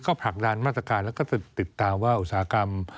ก็ผลักดันมาตรการแล้วก็จะติดตามว่าอุตสาหกรรม